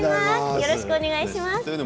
よろしくお願いします。